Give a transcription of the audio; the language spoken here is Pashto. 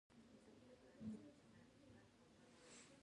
قومونه د افغانانو د اړتیاوو د پوره کولو یوه مهمه وسیله ده.